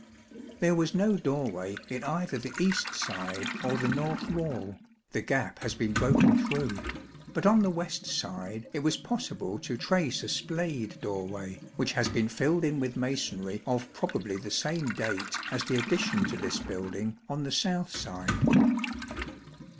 There was no doorway in either the east side or the north wall (the gap has been broken through), but on the west side it was possible to trace a splayed doorway, which has been filled in with masonry of probably the same date as the addition to this building on the south side.